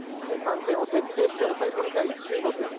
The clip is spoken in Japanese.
感染を徹底して抑え込みたい中国。